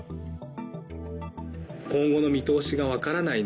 今後の見通しが分からない